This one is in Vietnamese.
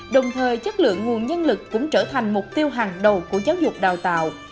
đồng thời chất lượng nguồn nhân lực cũng trở thành mục tiêu hàng đầu của giáo dục đào tạo